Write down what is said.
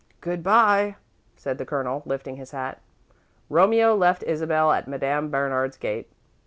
"Good bye," said the Colonel, lifting his hat. Romeo left Isabel at Madame Bernard's gate.